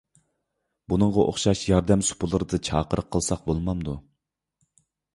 بۇنىڭغا ئوخشاش ياردەم سۇپىلىرىدا چاقىرىق قىلساق بولمامدۇ؟